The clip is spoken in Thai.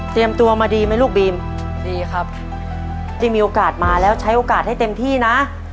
ตัวมาดีไหมลูกบีมดีครับที่มีโอกาสมาแล้วใช้โอกาสให้เต็มที่นะ